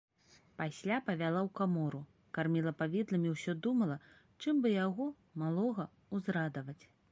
Пасля павяла ў камору, карміла павідлам і ўсё думала, чым бы яго, малога, узрадаваць.